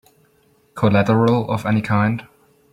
Collateral of any kind?